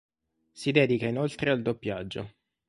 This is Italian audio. Si dedica inoltre al doppiaggio.